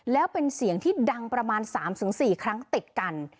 แล้วเป็นเสียงที่ดังประมาณ๓๔ครั้งติดกัน